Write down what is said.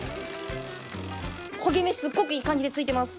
焦げ目すごくいい感じで付いてます。